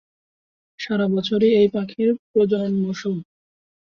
সারা বছরই এই পাখির প্রজনন মৌসুম।